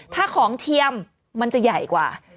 ถ้าของเทียมมันจะใหญ่กว่า